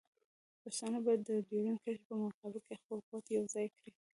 پښتانه باید د ډیورنډ کرښې په مقابل کې خپل قوت یوځای کړي.